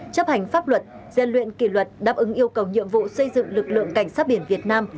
chấp hành pháp luật gian luyện kỷ luật đáp ứng yêu cầu nhiệm vụ xây dựng lực lượng cảnh sát biển việt nam